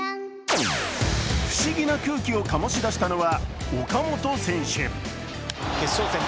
不思議な空気を醸し出したのは岡本選手。